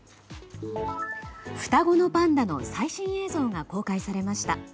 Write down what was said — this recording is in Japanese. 双子のパンダの最新映像が公開されました。